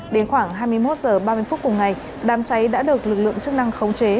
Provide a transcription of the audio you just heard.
đến khoảng hai mươi một h ba mươi phút cùng ngày đám cháy đã được lực lượng chức năng khống chế